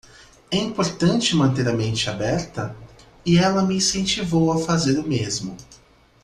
É importante manter a mente aberta? e ela me incentivou a fazer o mesmo.